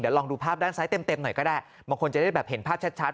ลองดูภาพด้านซ้ายเต็มหน่อยก็ได้บางคนจะได้แบบเห็นภาพชัด